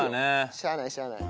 しゃあないしゃあない。